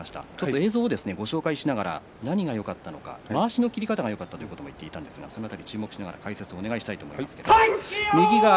映像をご紹介しながら何がよかったのかまわしの切り方がよかったと言っていましたのでその辺り、注目しながら解説をお願いしたいと思います。